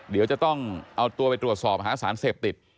เดี๋ยวจะต้องตัวไปตรวจสอบหาราชาติเสพติด